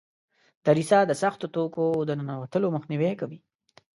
دریڅه د سختو توکو د ننوتلو مخنیوی کوي.